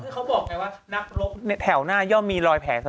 คือเขาบอกไงว่านักรบแถวหน้าย่อมมีรอยแผลเสมอ